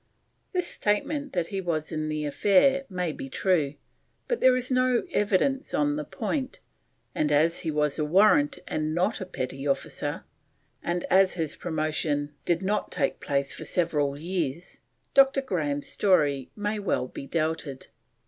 This statement that he was in the affair may be true, but there is no evidence on the point, and as he was a warrant and not petty officer, and as his promotion did not take place for several years, Dr. Grahame's story may well be doubted.